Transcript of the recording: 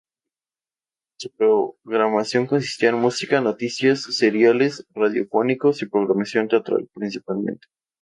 Su programación consistía en música, noticias, seriales radiofónicos y programación teatral, principalmente.